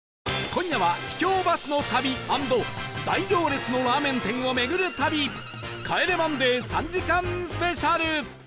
今夜は秘境バスの旅＆大行列のラーメン店を巡る旅『帰れマンデー』３時間スペシャル